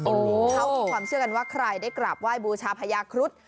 เขามีความเชื่อกันว่าใครได้กราบไหว้บูชาพญาครุฑ